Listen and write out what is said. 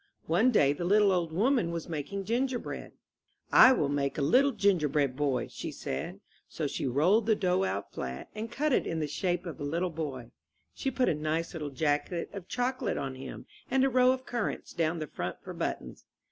One day the little old woman was making gingerbread. I will make a little gingerbread boy," she said. So she rolled the dough out flat, and cut it in the shape of a little boy. She put a nice little jacket of chocolate on him, arid a row of currants down the front for buttons.